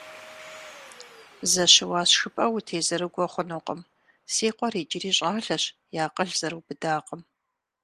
Зэ щыуащ жыпӀэу утезэрыгуэ хъунукъым, си къуэр иджыри щӀалэщ, и акъыл зэрыубыдакъым.